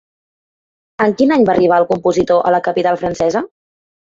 En quin any va arribar el compositor a la capital francesa?